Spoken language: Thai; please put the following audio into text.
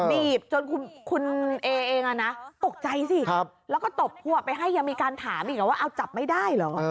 หนีบจนคุณเอเองตกใจสิแล้วก็ตบพวกไปให้ยังมีการถามอีกว่าเอาจับไม่ได้เหรอ